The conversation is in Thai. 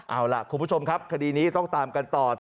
เอาล่ะคุณผู้ชมครับคดีนี้ต้องตามกันต่อ